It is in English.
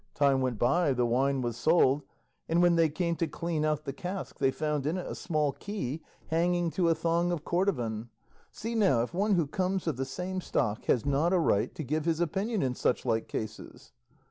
Time went by, the wine was sold, and when they came to clean out the cask, they found in it a small key hanging to a thong of cordovan; see now if one who comes of the same stock has not a right to give his opinion in such like cases."